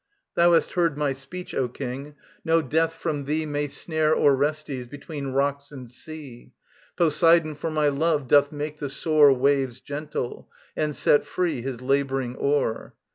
Thou hast heard my speech, O King. No death from thee May share Orestes between rocks and sea: Poseidon for my love doth make the sore Waves gentle, and set free his labouring oar.